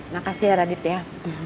makasih ya radit ya